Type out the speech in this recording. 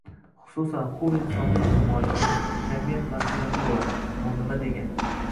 Xususan, hur insonda ijtimoiy, ya’ni jamiyat mas’uliyati bo‘ladi. Bu nima degani?